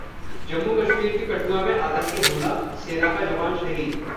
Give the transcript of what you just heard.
जम्मू-कश्मीर के कठुआ में आतंकी हमला, सेना का जवान शहीद